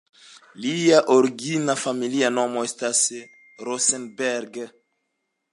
Lia origina familia nomo estis "Rosenberg".